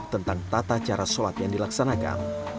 tentang tata cara sholat yang dilaksanakan